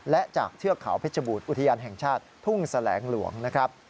และจากเทือกเขาเพชรบูรอุทยานแห่งชาติทุ่งแสลงหลวงนะครับ